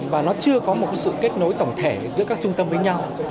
và nó chưa có một sự kết nối tổng thể giữa các trung tâm với nhau